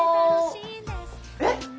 えっ？